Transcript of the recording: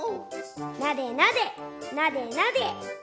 なでなでなでなで。